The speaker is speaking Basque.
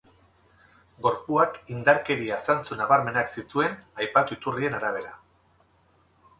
Gorpuak indarkeria zantzu nabarmenak zituen, aipatu iturrien arabera.